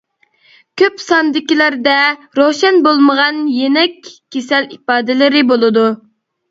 كۆپ ساندىكىلەردە روشەن بولمىغان يېنىك كېسەل ئىپادىلىرى بولىدۇ.